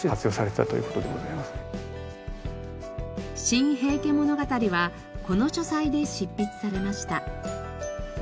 『新・平家物語』はこの書斎で執筆されました。